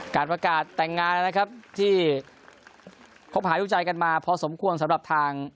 การประกาศแต่งงานนะครับที่คบหาดูใจกันมาพอสมควรสำหรับทาง